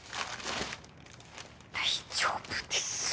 大丈夫です。